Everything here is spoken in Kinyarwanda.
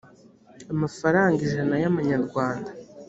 amafaranga ijana y amanyarwanda